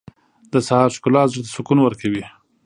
• د سهار ښکلا زړه ته سکون ورکوي.